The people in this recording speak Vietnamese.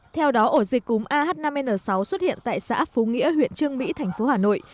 theo đó ổ dịch cúm ah năm n sáu xuất hiện tại xã phú nghĩa huyện trương mỹ thành phố hà nội